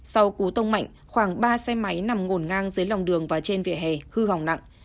sau cú tông mạnh khoảng ba xe máy nằm ngổn ngang dưới lòng đường và trên vỉa hè hư hỏng nặng